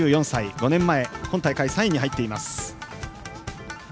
５年前本大会３位に入っています。